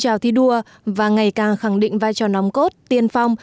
chào thi đua và ngày càng khẳng định vai trò nóng cốt tiên phong